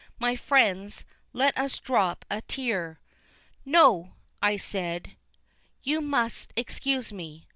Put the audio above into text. My frens, let us drop a tear." "No!" I said, "you must excuse me.